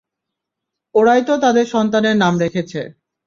ওরাই তো তাদের সন্তানের নাম রেখেছে।